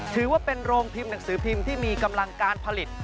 ถือว่าเป็นโรงพิมพ์หนังสือพิมพ์ที่มีกำลังการผลิต